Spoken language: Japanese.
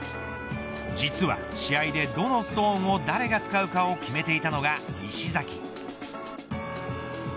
実は試合でどのストーンを誰が使うかを決めていたのが石崎。